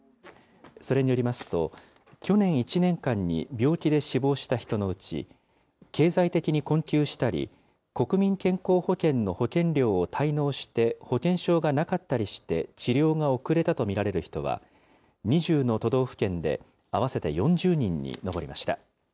それによりますと、去年１年間に病気で死亡した人のうち、経済的に困窮したり、国民健康保険の保険料を滞納して、保険証がなかったりして治療が遅れたと見られる人は、２０の都道府県で、合わせて４０人に上りました。